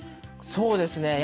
そうですね